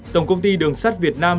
tổng công ty đường sắt việt nam